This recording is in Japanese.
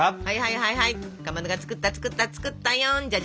はいはいはいはいかまどが作った作った作ったよん。